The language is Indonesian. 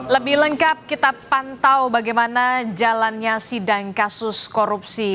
lebih lengkap kita pantau bagaimana jalannya sidang kasus korupsi